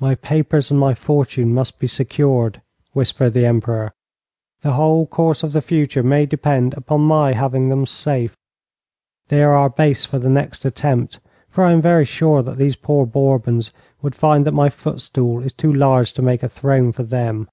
'My papers and my fortune must be secured,' whispered the Emperor. 'The whole course of the future may depend upon my having them safe. They are our base for the next attempt for I am very sure that these poor Bourbons would find that my footstool is too large to make a throne for them.